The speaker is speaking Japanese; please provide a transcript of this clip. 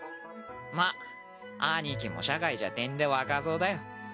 まっ兄貴も社会じゃてんで若造だよ。